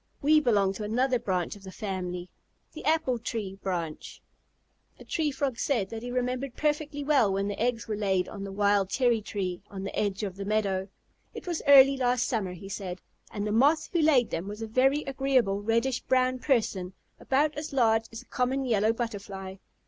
We belong to another branch of the family, the Apple Tree branch." The Tree Frog said that he remembered perfectly well when the eggs were laid on the wild cherry tree on the edge of the meadow. "It was early last summer," he said, "and the Moth who laid them was a very agreeable reddish brown person, about as large as a common Yellow Butterfly.